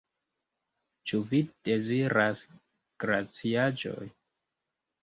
Ĉu vi deziras glaciaĵon?